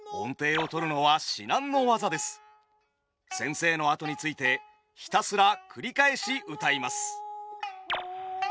先生のあとについてひたすら繰り返しうたいます。